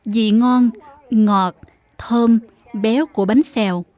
dị ngon ngọt thơm béo của bánh xèo